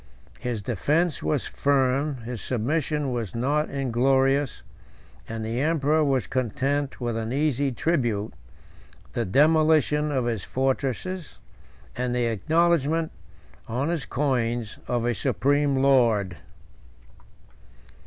His defence was firm, his submission was not inglorious, and the emperor was content with an easy tribute, the demolition of his fortresses, and the acknowledgement, on his coins, of a supreme lord.